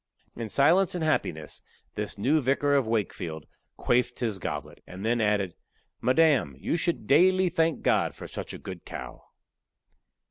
In silence and happiness this new Vicar of Wakefield quaffed his goblet, and then added, "Madam, you should daily thank God for such a good cow."